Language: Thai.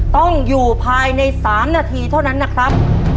ต้องอยู่ภายใน๓นาทีเท่านั้นนะครับ